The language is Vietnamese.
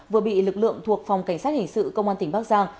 vừa bị lực lượng thuộc phòng cảnh sát hình sự công an tỉnh bắc giang